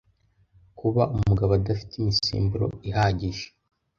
kuba umugabo adafite imisemburo ihagije